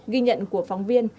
ghi nhận của phóng viên